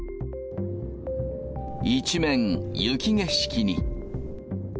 一面、雪景色に。